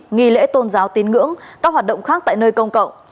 nghỉ lễ tôn giáo tín ngưỡng các hoạt động khác tại nơi công cộng